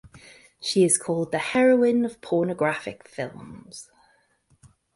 She is called the heroine of pornographic films.